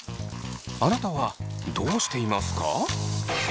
あなたはどうしていますか？